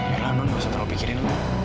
biarlah non gak usah terlalu pikirin